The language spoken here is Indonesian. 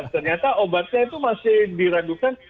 ternyata obatnya itu masih diragukan